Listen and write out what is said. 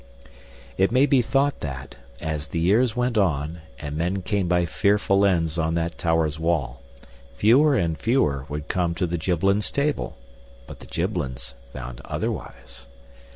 It may be thought that, as the years went on and men came by fearful ends on that tower's wall, fewer and fewer would come to the Gibbelins' table: but the Gibbelins found otherwise.